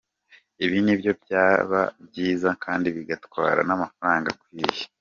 Ibi nibyo byaba byiza kandi bigatwara n’amafaranga akwiye.